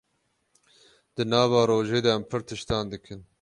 Di nava rojê de em pir tiştan dikin.